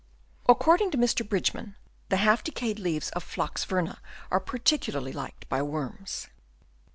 According to Mr. Bridgman the half decayed leaves of Phlox verna are par ticularly liked by worms.